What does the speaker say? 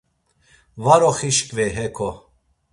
Var oxişǩvey heko.